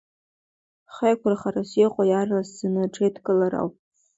Хеиқәырхарас иҟоу, иаарласӡаны аҽеидкылара ауп.